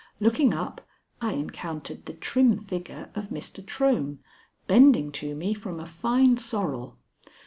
Looking up, I encountered the trim figure of Mr. Trohm, bending to me from a fine sorrel.